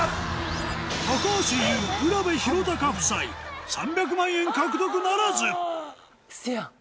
高橋ユウ卜部弘嵩夫妻３００万円獲得ならずウソやん。